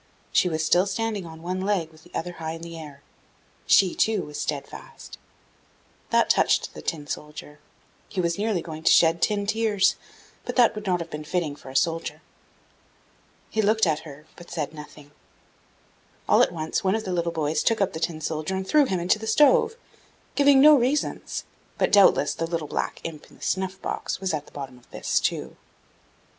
She was still standing on one leg with the other high in the air; she too was steadfast. That touched the Tin soldier, he was nearly going to shed tin tears; but that would not have been fitting for a soldier. He looked at her, but she said nothing. All at once one of the little boys took up the Tin soldier, and threw him into the stove, giving no reasons; but doubtless the little black imp in the snuff box was at the bottom of this too.